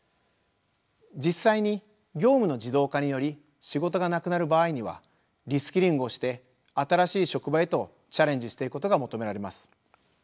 実際に業務の自動化により仕事がなくなる場合にはリスキリングをして新しい職場へとチャレンジしていくことが求められます。